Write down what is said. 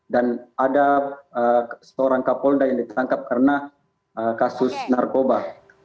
ada seorang kapolda yang ditangkap karena kasus narkoba